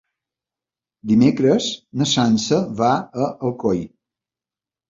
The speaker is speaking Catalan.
Dimecres na Sança va a Alcoi.